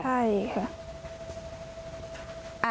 ใช่ค่ะ